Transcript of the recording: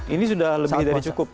ini sudah lebih dari cukup